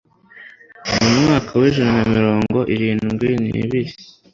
mu mwaka w'ijana na mirongo ir indwi n'ibiri